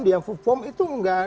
dia perform itu enggak